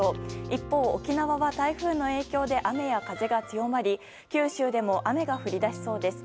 一方、沖縄は台風の影響で雨や風が強まり九州でも雨が降り出しそうです。